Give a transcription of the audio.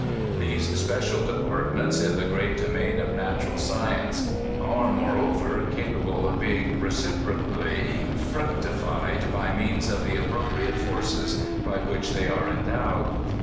These special departm^ts in the great domain of nat' via author's preface. ural science are, moreover, capaMe of being reciprocally fruc tified by means of the appropriative forces by which they are endowed.